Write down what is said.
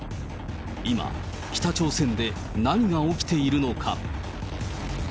今、北朝鮮で何が起きているのか。